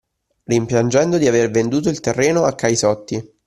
Rimpiangendo di aver venduto il terreno a Caisotti.